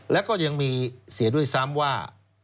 แล้วก็ยังมีเสียด้วยซ้ำว่า